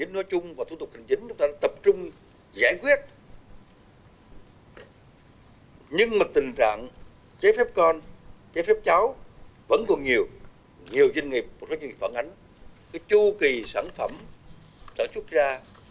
nhưng mà tình trạng chế phép con chế phép cháu vẫn còn nhiều nhiều doanh nghiệp một số doanh nghiệp phản ánh có chu kỳ sản phẩm tổ chức ra